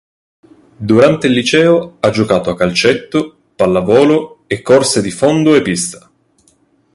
Durante il liceo ha giocato a calcetto, pallavolo e corse di fondo e pista.